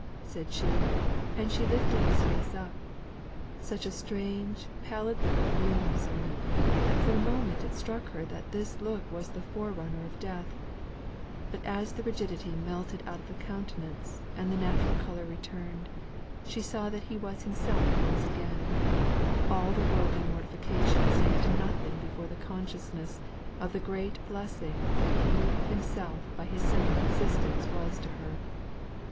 she said, and she lifted his face up. Such a strange, pallid look of gloom was on it, that for a moment it struck her that this look was the forerunner of death; but as the rigidity melted out of the countenance and the natural colour returned, and she saw that he was himself once again, all worldly mortification sank to nothing before the consciousness of the great blessing that he himself, by his simple existence was to her.